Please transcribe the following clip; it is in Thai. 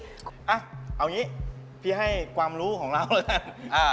เอาอย่างนี้พี่ให้ความรู้ของเราแล้ว